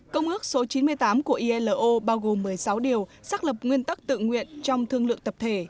công ước số chín mươi tám của ilo bao gồm một mươi sáu điều xác lập nguyên tắc tự nguyện trong thương lượng tập thể